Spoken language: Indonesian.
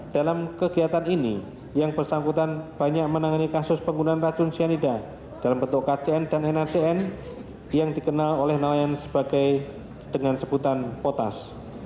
dalam kegiatan ini yang bersangkutan banyak menangani kasus penggunaan racun cyanida dalam bentuk kcn dan nacn yang dikenal oleh nelayan sebagai dengan sebutan potas